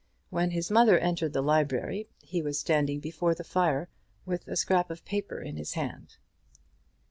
When his mother entered the library he was standing before the fire with a scrap of paper in his hand.